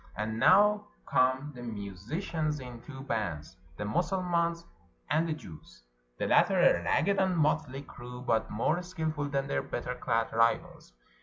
And now come the musicians in two bands, the Mussulmans', and the Jews'; the latter a ragged and motley crew, but more skillful than their better clad rivals.